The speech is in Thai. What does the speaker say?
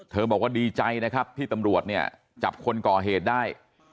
บอกว่าดีใจนะครับที่ตำรวจเนี่ยจับคนก่อเหตุได้